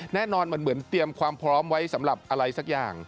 แน่นอนมันเหมือนเตรียมความพร้อมไว้สำหรับอะไรสักอย่าง